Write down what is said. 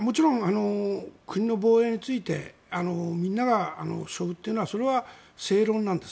国の防衛についてみんなが背負うというのはそれは正論なんです。